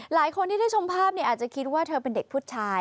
หลายคนที่ได้ชมภาพเนี่ยอาจจะคิดว่าเธอเป็นเด็กผู้ชาย